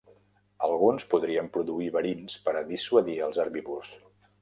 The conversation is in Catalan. Alguns podrien produir verins per a dissuadir als herbívors.